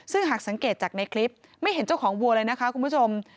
ซึ่งหากสังเกตจากในคลิปไม่เห็นเจ้าของวัวเลยนะคะคุณผู้ชม